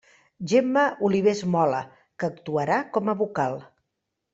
Gemma Olivés Mola, que actuarà com a vocal.